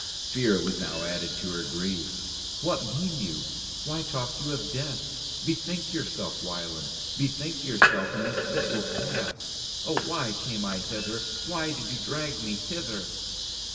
Fear was now added to her grief. "What mean you? Why talk you of death? Bethink yourself, Wieland; bethink yourself, and this fit will pass. Oh, why came I hither? Why did you drag me hither?"